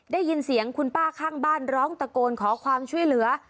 ได้ยินเสียงคุณป้าข้างบ้านร้องตะโกนขอความช่วยเหลือ